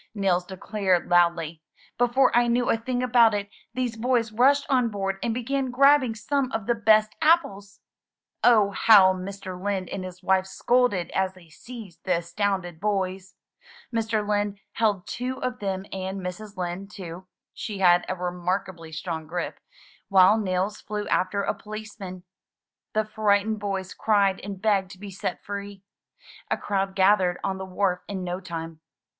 Nils declared loudly: "Before I knew a thing about it, these boys rushed on board and began grabbing some of the best apples." Oh, how Mr. Lind and his wife scolded as they seized the astounded boys! Mr. Lind held two of them and Mrs. Lind two — she had a remarkably strong grip — while Nils flew after a policeman. The frightened boys cried and begged to be set free. A crowd gathered on the wharf in no time.